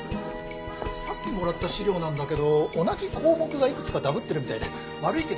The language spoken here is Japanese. さっきもらった資料なんだけど同じ項目がいくつかだぶってるみたいで悪いけど。